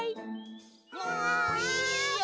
もういいよ。